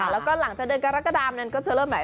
แล้วก็หลังจากเดินกับกระกะดามก็จะเริ่มไหน